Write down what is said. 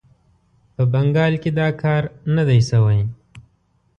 په بنګال کې دا کار نه دی سوی.